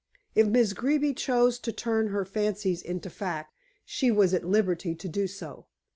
If Miss Greeby chose to turn her fancies into facts, she was at liberty to do so.